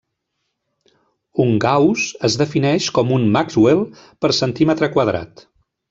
Un gauss es defineix com un maxwell per centímetre quadrat.